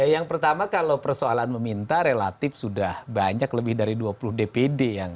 yang pertama kalau persoalan meminta relatif sudah banyak lebih dari dua puluh dpd yang